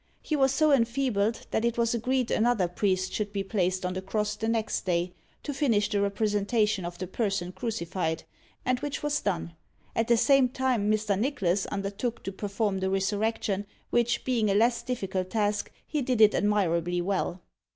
He was so enfeebled, that it was agreed another priest should be placed on the cross the next day, to finish the representation of the person crucified, and which was done; at the same time Mr. Nicholas undertook to perform 'The Resurrection,' which being a less difficult task, he did it admirably well."